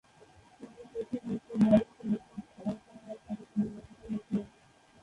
তিনি প্রথম মুসলিম নারী হিসেবে সুইডিশ আইনসভার সদস্য নির্বাচিত হয়েছিলেন।